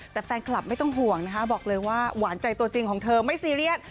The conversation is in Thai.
แต่แฟนคลับไม่ต้องห่วงนะคะบอกเลยว่าหวานใจตัวจริงของเธอไม่ซีเรียส